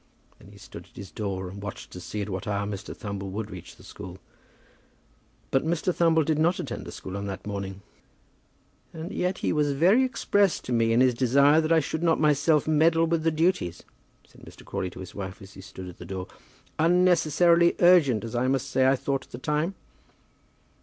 Then he stood at his door, watching to see at what hour Mr. Thumble would reach the school. But Mr. Thumble did not attend the school on that morning. "And yet he was very express to me in his desire that I would not myself meddle with the duties," said Mr. Crawley to his wife as he stood at the door, "unnecessarily urgent, as I must say I thought at the time."